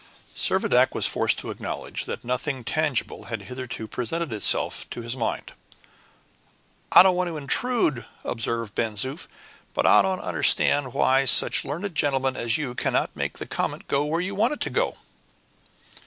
Servadac was forced to acknowledge that nothing tangible had hitherto presented itself to his mind. "I don't want to intrude," observed Ben Zoof, "but I don't understand why such learned gentlemen as you cannot make the comet go where you want it to go."